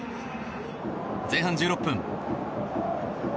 前半１６分。